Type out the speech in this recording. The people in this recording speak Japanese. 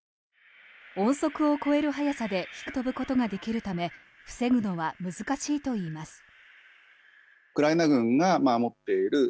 音速を超える速さで低く飛ぶことができるため防ぐのは難しいといいます。